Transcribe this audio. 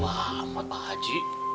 wah amat pak ji